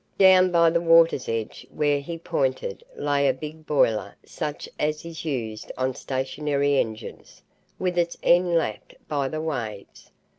Down by the water's edge, where he pointed, lay a big boiler such as is used on stationary engines, with its end lapped by the waves.